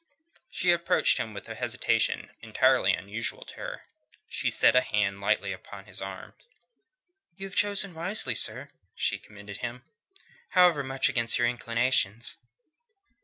She approached him with a hesitation entirely unusual to her. She set a hand lightly upon his arm. "You have chosen wisely, sir," she commended him, "however much against your inclinations."